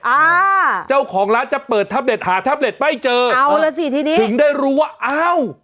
อ่าเจ้าของร้านจะเปิดแท็บเล็ตหาแท็บเล็ตไม่เจอเอาล่ะสิทีนี้ถึงได้รู้ว่าอ้าว